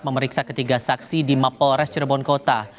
memeriksa ketiga saksi di mapolres cirebon kota